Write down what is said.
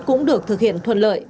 cũng được thực hiện thuận lợi